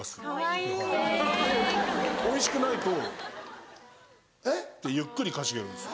おいしくないと。ってゆっくりかしげるんです。